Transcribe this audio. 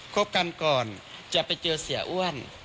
คบกันก่อนจะไปเจอเสียอ้วน